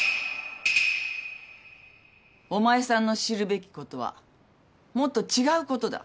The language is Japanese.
お前さんの知るべきことはもっと違うことだ。